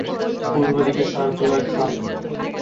পূর্ব দিকে সার্কুলার খাল।